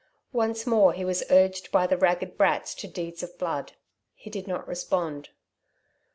Once more he was urged by the ragged brats to deeds of blood. He did not respond.